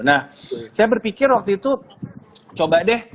nah saya berpikir waktu itu coba deh